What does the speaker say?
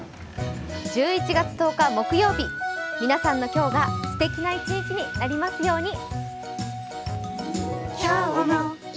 １１月１０日木曜日、皆さんの今日がすてきな一日になりますように。